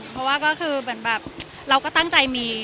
เพราะว่าก็คือแบบเราก็ตั้งใจมี